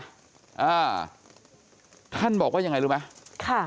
อ่าท่านบอกว่ายังไงรู้ไหมค่ะ